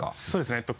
そうですね